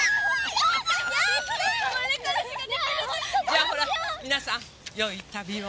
じゃあほら皆さんよい旅を。